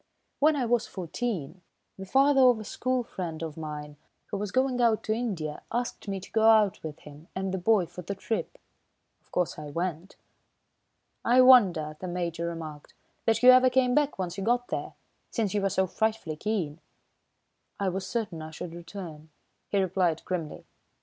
When I was fourteen, the father of a school friend of mine, who was going out to India, asked me to go out with him and the boy for the trip. Of course, I went." "I wonder," the Major remarked, "that you ever came back once you got there, since you were so frightfully keen." "I was certain I should return," he replied grimly.